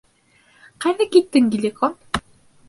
Ҡайҙа киттең, Геликон?